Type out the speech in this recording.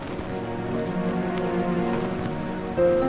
jangan kamu selalu menuntut